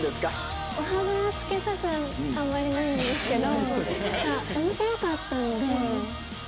お歯黒は付けたくあんまりないんですけど。